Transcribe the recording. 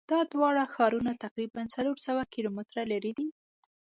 دا دواړه ښارونه تقریبآ څلور سوه کیلومتره لری دي.